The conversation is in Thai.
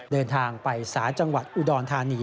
เดินทางไปศาลจังหวัดอุดรธานี